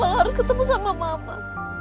kalau harus ketemu sama mama